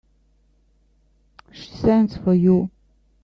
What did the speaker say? She sends for you.